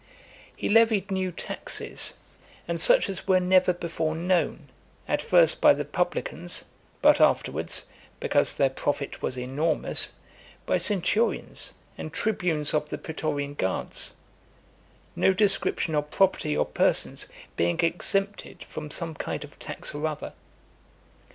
(280) XL. He levied new taxes, and such as were never before known, at first by the publicans, but afterwards, because their profit was enormous, by centurions and tribunes of the pretorian guards; no description of property or persons being exempted from some kind of tax or other.